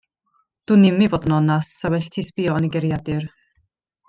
Dwnim i fod yn onast 'sa well ti sbïo yn y geiriadur.